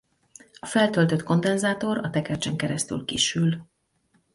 A feltöltött kondenzátor a tekercsen keresztül kisül.